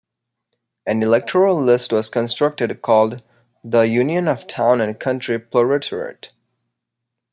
An electoral list was constructed called the "Union of Town and Country Proletariat".